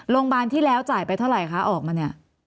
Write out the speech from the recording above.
โรงพยาบาลที่แล้วจ่ายไปเท่าไหร่คะออกมาเนี่ย